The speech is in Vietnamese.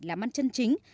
làm ăn chân chính